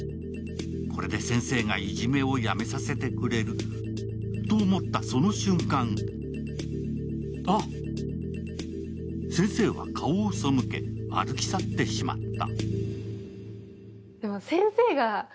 これで先生がいじめをやめさせてくれると思ったその瞬間先生は顔をそむけ、歩き去ってしまった。